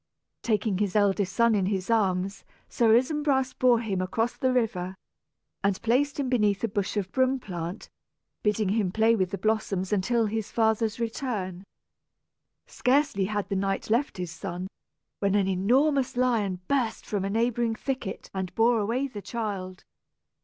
Taking his eldest son in his arms, Sir Isumbras bore him across the river, and placed him beneath a bush of broom plant, bidding him play with the blossoms until his father's return. Scarcely had the knight left his son, when an enormous lion burst from a neighboring thicket and bore away the child.